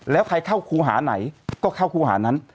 แล้วใครเข้าครูหาไหนก็เข้าครูหานั้น